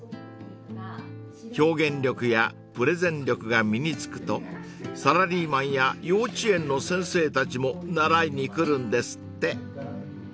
［表現力やプレゼン力が身に付くとサラリーマンや幼稚園の先生たちも習いに来るんですって］